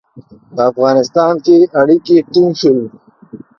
په افغانستان کې اړیکي ټینګ شول.